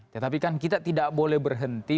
tetapi kan kita tidak boleh berhenti